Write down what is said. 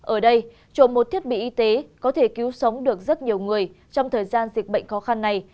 ở đây trộm một thiết bị y tế có thể cứu sống được rất nhiều người trong thời gian dịch bệnh khó khăn này